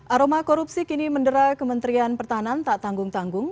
aroma korupsi kini mendera kementerian pertahanan tak tanggung tanggung